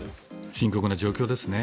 深刻な状況ですね。